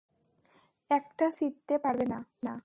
একটা চুলও ছিঁড়তে পারবে না।